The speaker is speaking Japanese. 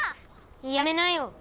やめなよ。